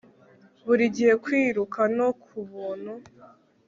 burigihe kwiruka no kubuntu